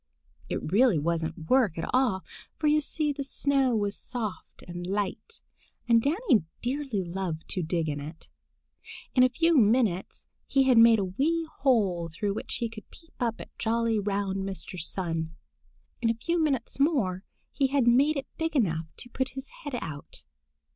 It really wasn't work at all, for you see the snow was soft and light, and Danny dearly loved to dig in it. In a few minutes he had made a wee hole through which he could peep up at jolly, round Mr. Sun. In a few minutes more he had made it big enough to put his head out.